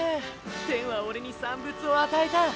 天はオレに三物を与えた！